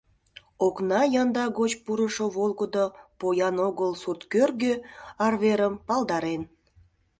Окна янда гоч пурышо волгыдо поян огыл сурткӧргӧ арверым палдарен.